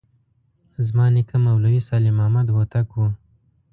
زما نیکه مولوي صالح محمد هوتک و.